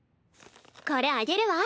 これあげるわ。